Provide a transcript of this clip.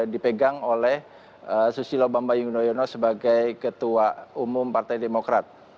dipegang oleh susilo bambang yudhoyono sebagai ketua umum partai demokrat